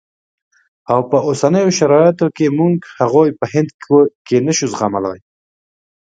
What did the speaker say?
او په اوسنیو شرایطو کې موږ هغوی په هند کې نه شو زغملای.